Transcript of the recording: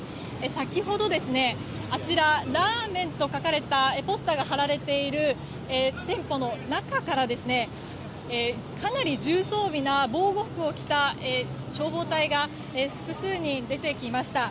先ほどあちら、ラーメンと書かれたポスターが貼られている店舗の中からかなり重装備な防護服を着た消防隊が複数人出てきました。